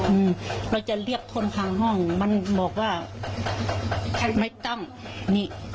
อืมเราจะเรียกคนข้างห้องมันบอกว่าไม่ต้องนี่